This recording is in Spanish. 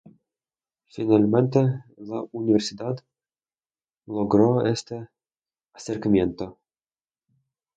Finalmente en la universidad logró ese acercamiento.